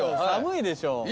寒いでしょ？